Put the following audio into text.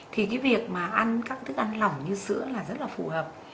thì cái việc mà ăn các thức ăn lỏng như sữa là rất là phù hợp